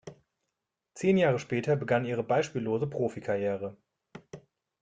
Zehn Jahre später begann ihre beispiellose Profikarriere.